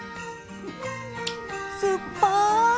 すっぱい！